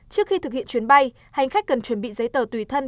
trước khi thực hiện chuyến bay hành khách cần chuẩn bị giấy tờ tùy thân